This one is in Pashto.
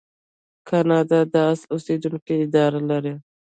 کاناډا د اصلي اوسیدونکو اداره لري.